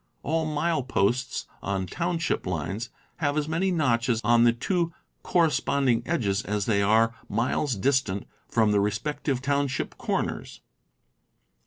All mile posts on township lines have as many notches on the two cor responding edges as they are miles distant from the respective township corners.